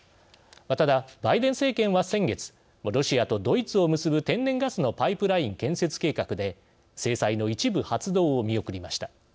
ただ、バイデン政権は先月ロシアとドイツを結ぶ天然ガスのパイプライン建設計画で制裁の一部発動を見送りました。